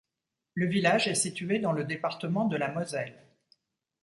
Le village est situé dans le département de la Moselle.